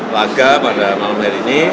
laga pada malam hari ini